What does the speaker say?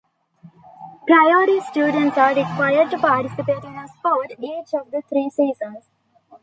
Priory students are required to participate in a sport each of the three seasons.